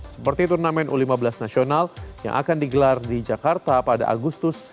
seperti turnamen u lima belas nasional yang akan digelar di jakarta pada agustus